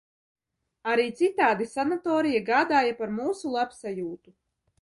Arī citādi sanatorija gādāja par mūsu labsajūtu.